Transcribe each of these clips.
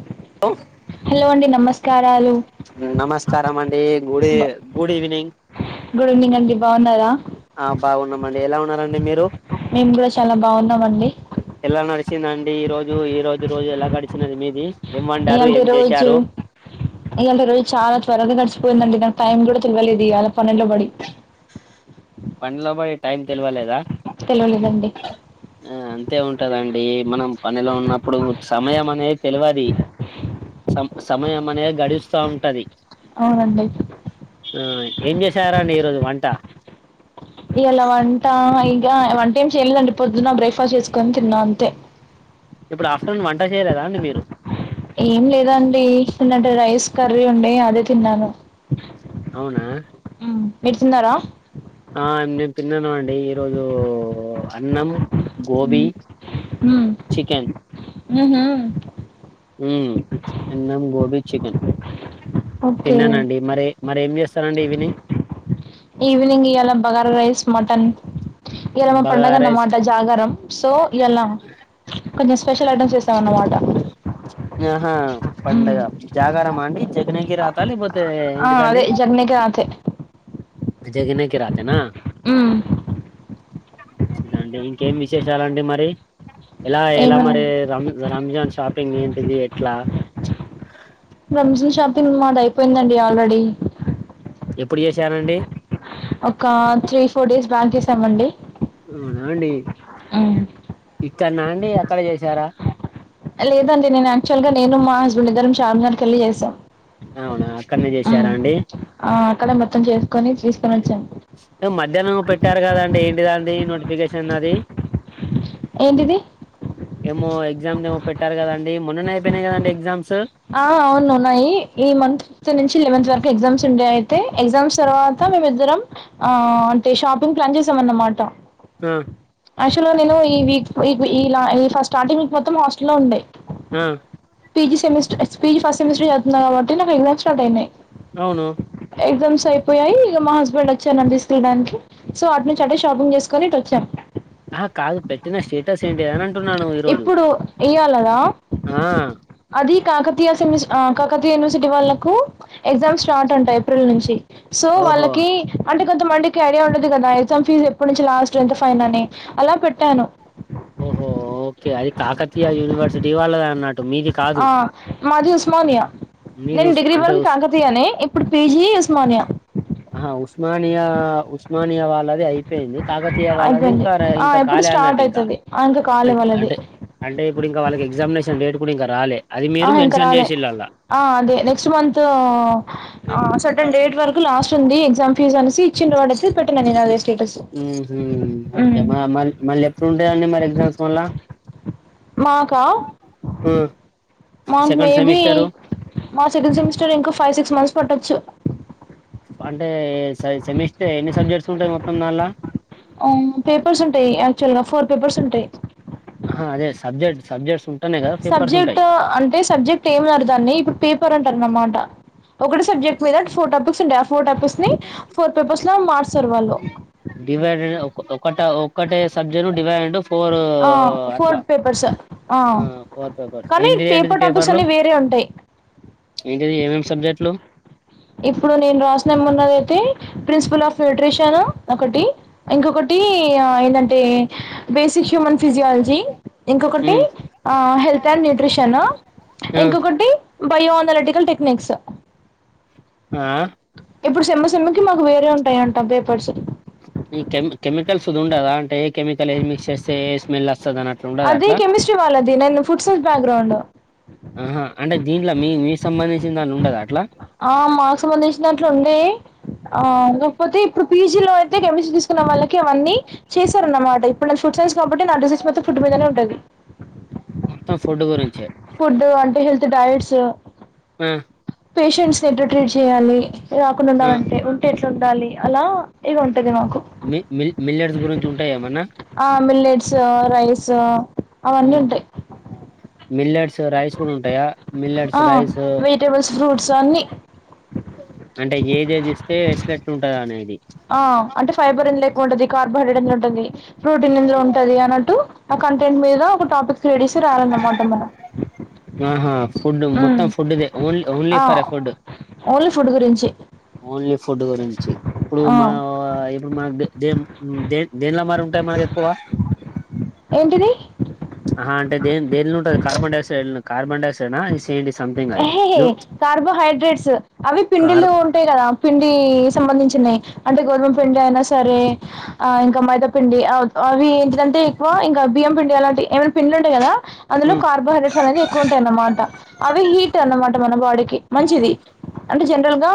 అర్ధం కాలేదు ఓ హలో అండి నమస్కారాలు నమస్కారం అండి good good evening good evening అండి బాగున్నారా ఆ బాగున్నామండి ఎలా ఉన్నారండి మీరు మేము కూడా చాలా బాగున్నామండి వచ్చిందండి ఈ రోజు ఈ రోజు రోజు ఎలా గడిచినది మీది ఏం వండారు ఇయాల్టీ ఏం రోజు చేశారు ఇయాల్టీ రోజు చాలా త్వరగా గడిచిపోయిందండి నా టైం కూడా తెల్వలేదు ఇయాల పనిలో పడి పనిలో పడి టైం తెల్వలేదా తెలియలేదండి ఆ అంతే ఉంటదండి ఏ మనం పనిలో ఉన్నప్పుడు సమయం అనేది తెలువది సం సమయం అనేది గడుస్తా ఉంటది అవునండి ఆ ఏం చేసారండి ఈరోజు వంట ఇయలా వంటా వంట ఏం చేయలేదండి పొద్దున్న బ్రేక్ఫాస్ట్ చేసుకొని తిన్నా అంతే ఇప్పుడు ఆఫ్టర్ నూన్ వంట చేయలేదా అండి మీరు ఏం లేదండి నిన్నటి రైస్ కర్రీ ఉండే అదే తిన్నాను అవునా మీరు తిన్నారా ఆ నేను తిన్నాను అండి ఈరోజు అన్నం గోబి మ్మ్. చికెన్ ఉహు ఉమ్మ్ అన్నం గోబి చికన్ ఓకే ఏం చేస్తారండి ఈవినింగ్ ఈవినింగ్ ఇయాలా బగార రైస్ మటన్ ఇయాల మా పండగ బగారా రైస్ అన్నమాట జాగరం సో ఇయాల కొంచెం స్పెషల్ ఐటమ్స్ చేస్తామన్నమాట ఉమ్ మ చె. ఆ అదే జర్నీ కి రాత్ హే జగనేకిి రాతేనా మ్మ్ మంచిదండి ఇంకేం విశేషాలండి మరి ఎలా ఎల ఏమన్నా మరి రామ్ రంజాన్ షాప్ ఏంటిది ఎట్లా రంజాన్ షాపింగ్ మాది అయిపోయిందండి ఆల్రెడీ ఎప్పుడు చేశారండి ఒక త్రీ ఫోర్ డేస్ బ్యాక్ చేసామండి అవునా ఉమ్మ్ ఇక్కన్నా అండి అక్కడ చేశారా లేదండి నేను అక్టువాల్గా నేను మా హస్బెండ్ ఇద్దరం చార్మినార్ కెళ్లి చేసాం అవునా అక్కడనే మ్మ్ చేసారా అండి ఆ అక్కడే మొత్తం చేసుకొని తీసుకొని వచ్చాం మధ్యాహ్నం పెట్టారు కదండి ఏంటిదాండి కేషన్ అన్నది ఏంటిది ఏమో ఎగ్జామ్ ది ఏమో పెట్టారు కదా అండి మొన్ననే అయిపోయినాయి కదండీ ఎగ్జామ్స్ ఆ అవును ఉన్నాయి ఈ మంత్ నుంచి లెవెంత్ వరకు ఎగ్జామ్స్ ఉండే అయితే ఎగ్జామ్స్ తర్వాత మేమి ఇద్దరం ఆ అంటే షాప్ ఇ ప్లాన్ చేసామన్నమాట ఆ యాక్టువల్ గా నేను ఈ వీక్ ఇలా ఫస్ట్టార్టి మీకు మొత్తం హాస్ట లో ఉండే్ హ్మ్మ్ P G same S P G first semester చదువుతున్న కాబట్టి నాకు ఎగ్జామ్స్ స్టార్ట్ అయినాయి అవును ఎగ్జామ్స్ అయిపోయాయి ఇక మా హస్బెండ్ వచ్చానుని తీసుకెళ్డానికి సో వాటి నుంచి అటే షాపింగ్ చేసుకొని ఇటు వచ్చాను ఆహ కాదు పెట్టిన స్టేటస్ ఏంటిదనంటే ఇప్పుడు ఇయ్యాలాడా ఆ అది కాకతీయ సె కాకతీయ యూనివర్సిటీ వాళ్ళకు ఎగ్జామ్స్ స్టార్ట్ అంట ఏప్రిల్ నుంచి సో ఓహో వాళ్ళకి అంటే కొంత మందికి ఐడియా ఉండదు కదా ఎగ్జామ్ ఫీజ్ ఎప్పటి నుంచి లాస్ట్ ఎంత ఫైన్ అని అలా పెట్టాను ఓహో ఓకే అ కాకతీయ యూనివర్సిటీ వాళ్ళద అన్నట్టు మీది కాదు ఆ మాది ఉస్మానియా మీది నేను ఉస్ డిగ్రీ అంటే వరకు ఉస్ కాకతీయని ఇప్పుడు పీజీ ఉస్మానియా అ ఆ ఉస్మానియా ఉస్మానియా వాళ్ళదే ఐ యింది కాకతీయ వాళ్ళది అయిపోయింది ఇంకా ఆ, ఇంకా ఎప్పుడు కాలే స్టార్ట్ అన్నట్టు ఇంకా అవుతుంది ఇంకా కాలే వాళ్ళది అంటే అంటే ఇప్పుడు ఇంకా వాళ్ళ ఎగ్జామినేషన్ అంటే డేట్ కూడా ఇంకా రాలే అది ఆ మీరు ఇంకా మెన్షన్ రాలే చేసిల్లలా ఆ అదే నెక్స్ట్ మంత్ సటన్ డేట్ వరకు లాస్ట్ ఉంది దాని ఫీస్ అనేసి ఇచ్చిండు వాడైతే పెట్టిన నేను అదే స్టేటస్ ఉహు మ మ మళ్ చ ఉంటా అండి మరి ఎగ్జామ్స్ మళ్ళా మాకా హ్మ్. మాకు సెకండ్ మేబి సెమిస్టరు మా సెకండ్ సెమిస్టర్ ఇంకా ఫైవ్ సిక్స్ మంత్స్ పట్టచ్చు అంటే సె సెమిస్టర్ ఎన్ని సబ్జెక్ట్స్ ఉంటాయి మొత్తం దాన్లా ఉమ్ పేపర్స్ ఉంటాయి యాక్చువల్ గా ఫోర్ పేపర్స్ ఉంటాయి అహా అదే సబ్జెక్ట్ సబ్జెక్ట్స్ ఉంటేనే కదా పేపర్స్ ఉంటాయి సబ్జెక్ట్ అంటే సబ్జెక్ట్ ఏమి అన్నారు దాన్ని ఇప్పుడు పేపర్ అంటార్ అన్నమాట ఒకటే సబ్జెక్ట్ మీద ఫోర్ టాపిక్స్ ఉంటాయి ఆ ఫో ఫోర్ టాపిక్స్ ని ఫోర్ పేపర్స్ లగా మార్స్ డివైడెడ్ ఒకట ఒక్కటే సబ్జెట్ డివైడ్ ఇంటు ఆ ఫోర్ పేపర్స్ ఆ ఫోర్ పేపర్స్ కానీ ఏంటిది పేపర్ టాపిక్స్ అన్ని వేరే ఉంటాయి ఎంటిది ఏమేమి సబ్జెక్టులు ఇప్పుడు నేను రాసిన ఉన్నదయితే ప్రిన్సిపల్ ఆఫ్ న్యూట్రిషన్ ఒకటి ఇంకొకటి ఏందంటే బేసిక్ హ్యూమన్ ఫిజియాలజీ ఇంకొకటి ఉమ్ ఆ హెల్త్ అండ్ న్యూట్రిషన్ ఆ ఇంకొకటి బయో అన్లెటికల్ టెక్నిక్స్ ఆ ఇప్పుడు సెమ్ సెమ్కి మాకు వేరే ఉంటాయంట పేపర్స్ ఈ కెమ్ కెమికల్స్ ది వుండదా అంటే ఏ కెమికల్ ఏది మిక్స్ చేస్తే ఏ స్మెల్ అ అది కెమిస్ట్రీ వాళ్ళది నేను ఫుడ్ సైన్స్ బ్యాక్గ్రౌండ్ దీంట్ల మీ మీ సంబంధించిన దాన్ల ఉండదా అట్లా ఆ మాకు సంబంధించినట్లుండే ఆ కాకపోతే ఇప్పుడు పీజిలో అయితే కెమిస్ట్రీ తీసుకున్న వాళ్ళకి అవన్నీ చేశారు అన్నమాట ఇప్పుడు నేను ఫుడ్ సైన్స్ కాబట్టి నా డిషెష్ మొత్తం ఫుడ్ మీదనే ఉంటది మొత్తం ఫుడ్ గురించె ఫుడ్ అంటే హెల్త్ డైట్స్ ఆ పేషెంట్స్ ని ఎట్లా ట్రీట్ చేయ్యాలి రాకుండా ఆ ఉండాలి అంటే ఉంటే ఎట్ ఉండాలి అలా ఇగ ఉం టది మాకు మి మిల్ మిల్లెట్స్ గురించి ఉంటాయా ఏమన్నా ఆ మిలెట్స్ రైస్ స ఔమ్ మిల్లెట్స్ రైస్ కూడా ఉంటాయ మిల్లెట్స్ ఆ రైస్ వెజిటేబుల్స్ ఫ్రూట్స్ అన్ని అంటే ఏదేదిస్తే ఎట్లెట్టుంటదనేది ఆ అంటే ఫైబర్ ఎందులో ఎక్కువ ఉంటది కార్బోహైడ్రేడెన్లో ఉంటుంది ప్రోటీన్ ఎందులో ఉంటది అన్నట్టు ఆ కంటెంట్ మీద ఒక టాపిక్ క్రెడిసి రాయాలన్నమాట మనం ఆహా ఫుడ్ ఉమ్ మొత్తం ఫుడ్దే ఓన్లీ ఓన్లీ అ for a food only food గురించి ఓన్లీ ఫుడ్ గురించి ఇప్పుడు ఆ మా ఇప్పుడు మాకు దేం దే దేనిలా మరి ఉంటాయి మరి ఎక్కువ ఏంటిది? ఆ అంటే దేన్ దేన్లో ఉంటది కార్బన్ డయాక్సైడ్ లోన కార్బన్ డాక్సై ఏహెహె, కార్బోహైడ్రేట్స్ అవి కార్ పిండిలు ఉంటాయి కదా పిండి సంబంధించున్నయి అంటే గోధుమ పిండి అయినా సరే ఆ ఇంకా మైదాపిండి అ అవి ఏంటిదంటే ఎక్కువ ఇంకా బియ్యం పిండి అలాంటి ఏమైనా పిండి లుంటాయి కదా అందులో కార్బోహైడ్రేట్స్ అనేది ఎక్కువ ఉంటాయన్నమా ట అవి హీట్ అన్న మా దంట మన బాడీకి మంచిది, అంటే జనరల్ గా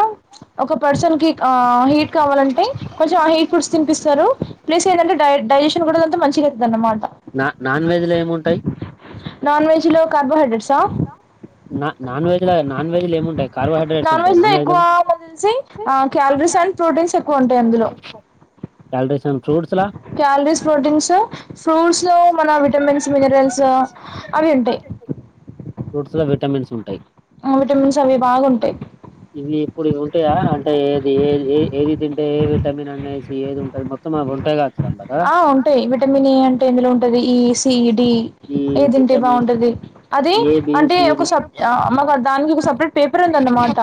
ఒక పర్సన్ కి ఆ హీట్ కావాలంటే కొంచెం ఆ హీట్ ఫుడ్స్ తినిపిస్తారు. ప్లస్ ఏంటంటే డై డైజెషన్ కూడంతా మంచిగైతది అన్నమా నా నాన్ వెజ్ లో ఏముంటాయి నాన్ వెజ్ లో కార్బోహైడ్రేట్సా నా నాన్ వెజ్ నాన్ వెజ్ లో ఏముంటాయ్? నాన్ వెజ్ లో ఎక్కువ నాకు తెలిసి క్యాలరీస్ అండ్ ప్రోటీన్స్ ఎక్కువ ఉంటాయి అందులో. క్యాలరీస్ అండ్ ఫ్రూట్స్ లా క్యాలరీస్ ప్రోటీన్సు ఫ్రూస్ లో మన విటమిన్స్ మినరల్స్ అవి ఉంటాయి. ఫ్రూట్స్ లో విటమిన్స్ ఉంటాయి. ఆ విటమిన్స్ అవి బాగుంటాయ్. ఇవి ఇప్పుడు ఇవి ఉంటాయా? అంటే ఏది ఏ ఏ ఏది తింటే ఏ విటమిన్ అనేసి ఏది ఉంటది మొత్తం అవి ఉంటాయ్ గా. ఆ ఉంటాయి విటమిన్ ఏ అం టెందులో ఉంటది E C D E A దింటే విటమిన్ బాగుంటది అది ఏ బి అంటే సి ఒక డి సప్ ఆ మాకు దానికి ఒక సపరేట్ పేపర్ ఉందన్నమాట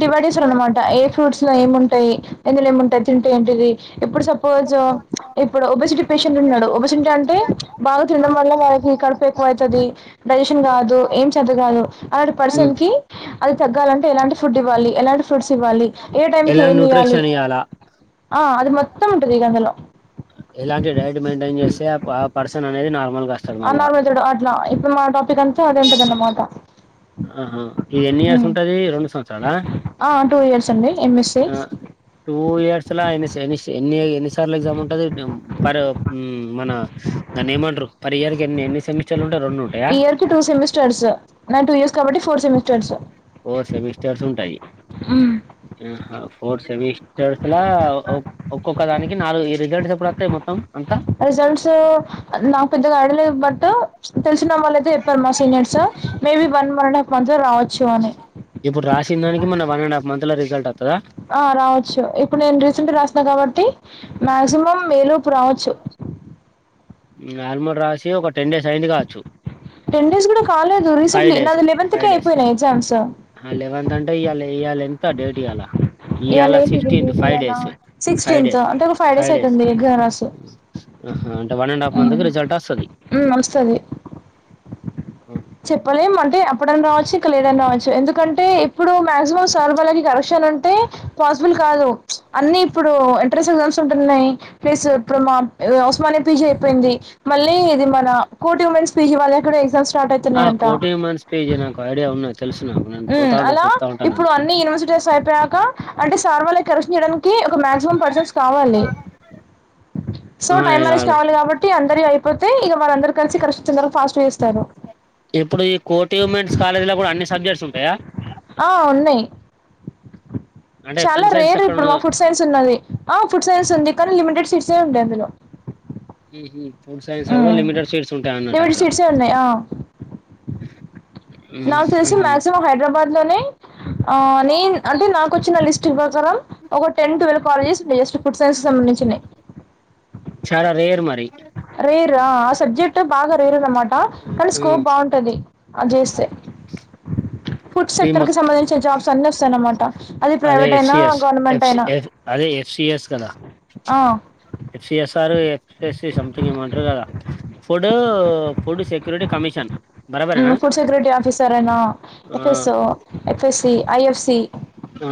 డివైడ్ చేస్తారు అనమాట ఏ ఫ్రూట్స్ లో ఏముంటాయి ఎందులో ఏముంటాయి [unintelligible] ఏంటిది ఇప్పుడు సపోజ్ ఇప్పుడు ఒబెసిటీ పేషెంట్ ఉన్నాడు. ఒబెషింటి అంటే బాగా తినడం వల్ల వారికి కడుపు ఎక్కువ అయితది. డైజెషన్ కాదు ఏం చద్ది కాదు అలాంటి హ్మ్ పర్సన్ కి అద్ తగ్గాలంటే ఎలాంటి ఫుడ్ ఇవ్వాలి, ఎలాంటి ఫ్రూట్స్ ఇవ్వాలి, ఏ టైం కి ఎలాంటి ఏమియ్యాలి, న్యూట్రిషన్ ఇయ్యాలా ఆ అది మొత్తం ఉంటది. ఈ [unintelligible] ఎలాంటి డైట్ మెయింటైన్ చేస్తే ఆ ఆ పర్సన్ అనేది నార్మల్గా వస్తాడు మళ్ళా? సో అదుంటదన్నమాట. అహా ఇది ఎన్ని ఇయర్స్ ఉంటది రెండు సంవత్సరాల? టూ ఇయర్స్ అండి ఎంఎస్సి ఆ టూ ఇయర్స్లా ఎన్ని సే ఎన్ని స్ ఏ ఎన్ని సార్లు ఎగ్జామ్ ఉంటది పర్ మన దాన్ని ఏమంటారు పర్ ఇయర్ కి ఎన్ని ఎన్ని సెమిస్టర్లు ఉ ఇయర్కి టూ సెమిస్టర్స్ నా టూ ఇయర్ కాబట్టి ఫోర్ సెమిస్టర్స్ ఫోర్ సెమిస్టర్స్ ఉంటాయి. ఫోర్ సెమిస్టర్స్ లా ఓ ఒక్కొక్క దానికి నాలుగు ఈ రిజల్ట్స్ ఎప్పుడు వత్తై మొత్తం? అంతా రిజల్ట్సూ నాకు పెద్దగా ఐడియా లేవ్. బట్ తెలిసిన వాళ్ళు అయితే చెప్పారు మా seniors, maybe one one and half month లో రావచ్చు అని. ఇప్పుడు రాసిన దానికి మన వన్ అండ్ హాఫ్ మంత్ లో రిజల్ట్ వస్తుందా ఆ రావచ్చు ఇప్పుడు నేను రీసెంట్గా రాస్ కాబట్టి మాక్సిమం మేలు ఇప్పుడు రావచ్చు నేను ఆల్మోడ్ రాసి ఒక టెన్ డేస్ అయింది కావచ్చు టెన్ డేస్ కూడా కాలేదు ఫైవ్ రీసెంట్లీ డేస్ నాది లేవంత్కే ఫైవ్ డేస్ అయిపోయినా ఎగ్జామ్స్ ఇయ్యాల ఎంత డేట్ ఇయ్యాల ఇయ్యాల ఇవాళ ఏంటి ఈరోజు సిక్స్టీన్త్ డేట్ ఫైవ్ ఇయాల డేస్ ఫైవ్ సిక్స్టీన్త్ డేస్ అంటే ఒక ఫైవ్ డేస్ అవుతుంది ఎగ్జామ్ రాసి ఆహా అంటే వన్ అండ్ అఫ్ మంత్ కి రిల్ట్స్ హు వస్తాది చెప్పలేము అంటే అప్పుడనా రావ నాకు తెలిసి ఇంక లేటుగా రావచ్చు ఎందుకంటే ఇప్పుడు మాక్సిమం సల్భర్లకి కరెక్షన్ ఉంటే పాసిబుల్ కాదు అన్ని ఇప్పుడు ఎంట్రన్స్ ఎగ్జామ్స్ ఉంటున్నాయి ప్లేసు [unintelligible] పోయింది మళ్ళీ ఇది మన కోటి ఉమెన్స్ పీజీ వాళ్లకు కూడా ఎగ్జామ్ స్టా ఆ కోటి ఉమెన్స్ పీజీ నాకు ఐడియా ఉన్నది తెలుసు నాకు నేను పోతా ఉమ్, ఉంటా అలా చూతా ఉంటాను ఇప్పుడు నేను అన్ని యూనివర్సిటీస్ అయిపోయాక అంటే సార్ వల్లే కరెక్షన్స్ చేయ [inaudible] కి ఒకమాక్సిమం పర్సన్స్ కావాలి సోై టైంరిస్ కావాలి ఆ కాబట్టి అందరి అయి పోతే ఇగ వాళ్ళు అందరు కలిసి క ఫాస్ట్ [unintelligible] సరే ఇప్పుడు ఈ కోటి ఉమెన్స్ కాలేజ్ లో కూడా అన్ని సబ్జెక్ట్స్ ఉంటాయా ఆ ఉన్నాయి అంటే చాలా ఫుడ్ సైన్స్ రేర్ అక్కడ ఇప్పుడు ఉన్న మా ఫుడ్ సైన్స్ ఉన్నది ఆ ఫుడ్ సైన్స్ ఉంది కానీ లిమిటెడ్ టిడ్స్ ఉంటాయ్ అందులో ఉహు ఫుడ్ సైన్స్ లో కూడా లిమిటెడ్ సీట్స్ ఉంటాయి అన్నట్ లిమిటెడ్ అక్కడ సీట్సే ఉన్నాయి ఆ నాకు తెలిసి ఉహు మాక్సిమం హైదరాబాద్ లోనే ఆ నేను అంటే నాకొచ్చిన లిస్ట్ ప్రకారం ఒక టెన్ ట్వల్వ్ [unintelligible] జస్ట్ ఫుడ్ సైన్స్కి సంబంధించి ఉన్నాయి. చాలా రేర్ మరి అరే రా ఆ సబ్జెక్ట్ అంటే బాగా రేరు అన్నమాట కానీ ఉమ్ స్కోప్ బాగుంటది అ జేస్తే [inaudible] ఫుడ్ ఈ సెక్టర్ కి మొత్తం సంబంధిన జాబ్స్ అన్ని వస్తాయన్నమాట అది అదే ప్రైవేట్ అయినా ఎఫ్సిఎస్ గవర్నమెంట్ అయినా ఎ అదే ఎఫ్సిఎస్ కదా ఆ ఎఫ్సిఎస్ ఆరు ఎఫ్ ఎస్ సీ సమ్థింగ్ ఏమో అంటరూ కదా ఫుడూ ఫుడ్ సెక్యూరిటీ కమిషన్. బరాబరేనా ఫుడ్ సెక్యూరిటీ ఆఫీసరెనా ఆ ఎఫ్ఎస్ఓ, ఎఫ్ఎస్సీ, ఐఎఫ్సీ. ఆ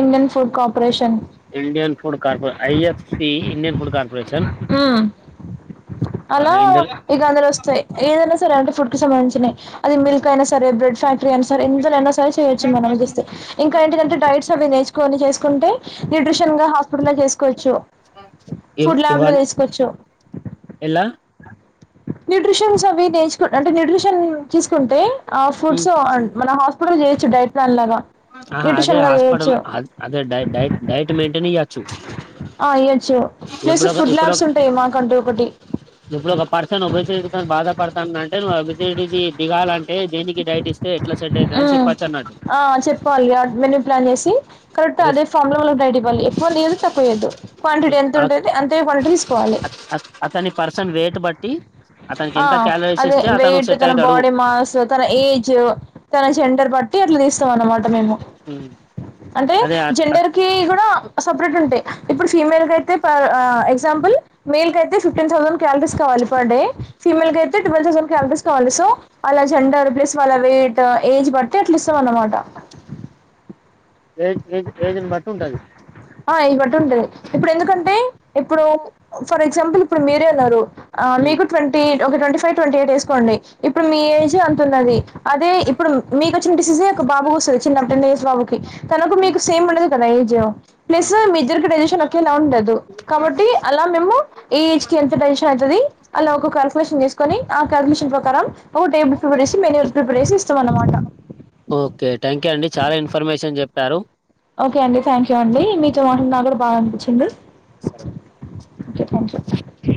Indian food corporation. Indian food కార్పో, I F C, Indian food corporation ఊ. ఆ అలా ఇందులో ఇగ అందులో వస్తాయి. ఏదైనా సరే అంటే ఫుడ్ కి సంబంధిచినయి. అది మిల్క్ అయినా సరే, బ్రెడ్ ఫ్యాక్ క్టరైనా సరే. ఇందులో ఎన్నో [unintelligible] చేయొచ్చు మనం చూస్తే. ఇంకా ఏంటి దంటే డైట్స్ అవ్వి నేర్చుకొని చేసుకుంటే న్యూట్రిషన్ గా హాస్పిటలో చేసుకోవచ్చూ. ఇవ ఫుడ్ ట్యాబ్ లో ఇవన్ చేసుకోవచ్చు. ఎలా న్యూట్రిషన్స్ అవి నేర్చుకు, అంటే న్యూట్రిషన్ తీసుకుంటే. ఆ ఊ ఫుడ్స్ మన హాస్పిటల్ చేయొచ్చు డైట్ ప్లాన్ లాగా ఆహా అదే న్యూట్రిషన్ గా హాస్పిటల్ చేయొచ్చు అద్ అదే డైట్ డైట్ డైట్ మెయింటైన్ ఇగా చ్చు ఆ ఈయ్యొచ్చూ. ప్లస్ ఫుడ్ ల్యాబ్స్ ఉంటాయి మాకంటూ ఒకటి. తాండంటే నువ్ ఒబెసిటీ కీ దిగాలంటే దేనిక్ కీ డైటి ఇస్ ఊ ఆ చెప్పాలీ మెన్యూ ప్లాన్ చేసీ. కరెక్ట్ అదే రిస్ ఫామ్ లో వాళ్ళకి డైట్ ఇవ్వాలి. ఎక్కువ అని తీయదు తక్కువ ఇయ్యద్దు. క్వాంటిటీ ఎంత ఉంటుంది అంతే క్వాంటిటీ తీసుకోవాలి. అతని పర్సన్ వెయిట్ బట్టి అతనికి ఆ ఎంత క్యాలరీస్ అదే ఇస్తే అతను వెయిట్, సెట్ తన అయితాడు బాడీ మాస్స్, తన ఏజ్. జా, తన జెండర్ బట్టీ అట్ల తీస్ తం అన్నమాట మేము. అంటే అదే జెండర్ కీ కూడా అస్ సపరేట్ ఉంటయి. ఇప్పుడు ఫీమేల్ కయితే పర్ ఆ ఎగ్జాంపుల్, మేల్ కయితే ఫిఫ్టీన్ థౌసండ్ క్యాలరీస్ కావాలి పర్ డే ఫీమేల్ కయితే టువెల్ థౌసండ్ కాలరీస్ కావాలి. సో, అలా జెండర్ ప్లస్ వాళ్ళ వెయిట, ఏజ్ బట్టీ అట్లా ఇస్తాం అన్నమాట. ఏజ్ ఏజ్ ఏజ్ని బట్టి ఉంటది. ఆ ఏజ్ బట్టి ఉంటది. ఇప్పుడు ఎందుకంటే ఇప్పుడూ ఫర్ ఎగ్జాంపుల్ ఇప్పుడు మీరే అన్నారు. ఆ మీకు ట్వంటీ ఒక ట్వంటీ ఫై, ట్వంటీ ఎయిట్ ఏసుకోండి. ఇప్పుడు మీ ఏజ్ జ అతున్నది. అదే ఇప్పుడు మీకు వచ్చిన డిసీజ్ ఏ ఒక బాబుకు వస్తది చిన్న టెన్ ఇయర్స్ బాబుకి. తనకు మీకు ఉండదు కదా ఏజూ. ప్లస్సూ మీఇద్దరికీ డైజెషన్ ఒకేలా ఉండదు. కాబట్టీ అలా మేము ఏ ఏజ్ కీ ఎంత డైజెషన్ అయితదీ అలా ఒకొక [unintelligible] కని ఆ కండీషన్ ప్రకారం ఒక టేబుల్ ప్రిపేర్ చేసి మెనూ ప్రిపేర్ చేసి ఇస్తాం అన్నమాట ఓకే థ్యాంక్ యూ అండి చాలా ఇన్ఫర్మేషన్ జెప్ టారు ఓకే అండి థ్యాంక్ యూ అండీ. మీతో మాట [inaudible] నాకు కూడ బాగా అనిపించింది. సరే ఓకే థ్యాంక్ యూ.